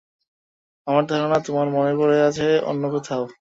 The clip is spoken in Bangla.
আমার ধারণা তোমার মন পড়ে আছে অন্য কোথাও।